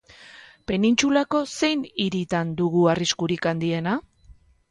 Penintsulako zein hiritan dugu arriskurik handiena?